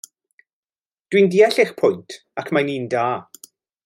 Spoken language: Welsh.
Dw i'n deall eich pwynt ac mae'n un da.